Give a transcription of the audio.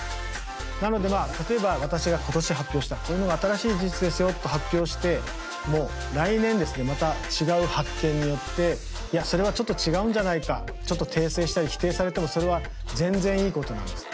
なのでまあ例えば私が今年発表したこういうのが新しい事実ですよと発表しても来年ですねまた違う発見によっていやそれはちょっと違うんじゃないかちょっと訂正したり否定されてもそれは全然いいことなんです。